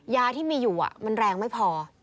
ยาที่มีอยู่มันแรงไม่พอ